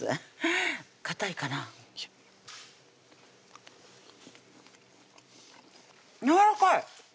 かたいかなやわらかい！